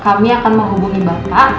kami akan menghubungi bapak